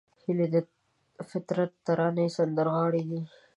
هیلۍ د فطرت ترانې سندرغاړې ده